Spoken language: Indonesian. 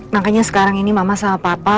makanya sekarang ini mama sama papa